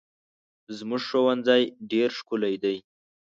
زموږ ښوونځی ډېر ښکلی دی.